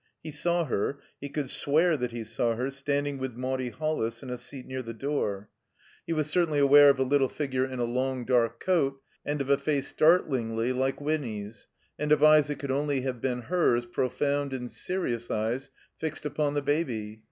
He saw her, he could swear that he saw her, standing with Maudie HoUis in a seat near the door. He was IS6 THE COMBINED MAZE certainly aware of a little figure in a long dark coat, and of a face startlingly like Winny's, and of eyes that could only have been hers, profound and seri ous eyes, fixed upon the Baby.